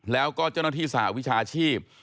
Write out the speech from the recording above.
แล้วก็เจ้าหน้าที่สหวิชาชีพ